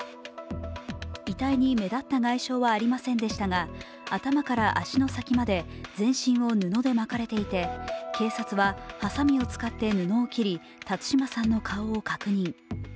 遺体に目立った外傷はありませんでしたが頭から足の先まで全身を布で巻かれていて、警察ははさみを使って布を切り、辰島さんの顔を確認。